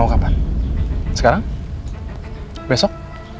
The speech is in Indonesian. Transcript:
mau kapan sekarang besok